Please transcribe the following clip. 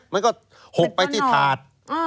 มันก็หกไปที่ถาด